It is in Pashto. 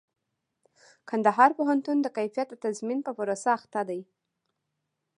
کندهار پوهنتون د کيفيت د تضمين په پروسه اخته دئ.